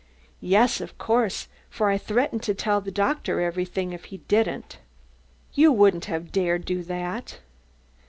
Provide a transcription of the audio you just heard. "Yes, of course, for I threatened to tell the doctor everything if he didn't." "You wouldn't have dared do that."